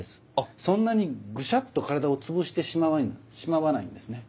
そんなにぐしゃっと体を潰してしまわないんですね。